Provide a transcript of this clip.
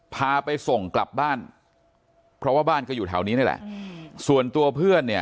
พาไปส่งกลับบ้านเพราะว่าบ้านก็อยู่แถวนี้นี่แหละส่วนตัวเพื่อนเนี่ย